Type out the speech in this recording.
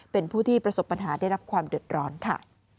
เป็นผู้ที่ประสบปัญหาได้รับความเดือดร้อนค่ะ